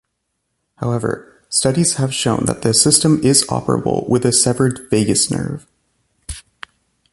However, studies have shown that the system is operable with a severed vagus nerve.